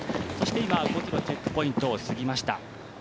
そして今、５ｋｍチェックポイントを過ぎました。